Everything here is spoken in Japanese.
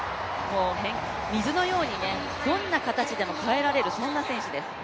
水のようにどんな形でも変えられる、そんな選手です。